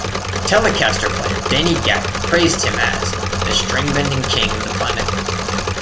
Telecaster player Danny Gatton praised him as "the string-bending king of the planet".